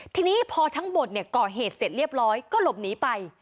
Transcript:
ทีนี้พอทั้งหมดก่อเหตุเสร็จเรียบร้อยก็หลบหนีไป